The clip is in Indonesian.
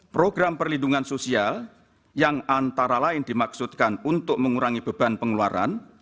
program perlindungan sosial yang antara lain dimaksudkan untuk mengurangi beban pengeluaran